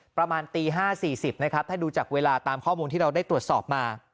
ประมาณตี๕๔๐นะครับถ้าดูจากเวลาตามข้อมูลที่เราได้ตรวจสอบมา